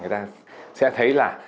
người ta sẽ thấy là